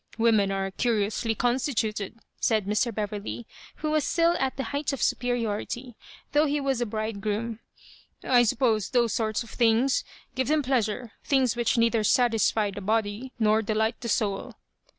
'' Women are curiously oon Btituted," said Mr. Beverley, who was still at the height of superiority, though he was a bride groom. *'I suppose those sort of things give them pleasure— things which neither satisfy the Dody nor delight the soul."